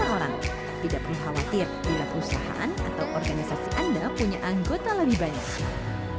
orang tidak perlu khawatir bila perusahaan atau organisasi anda punya anggota lebih banyak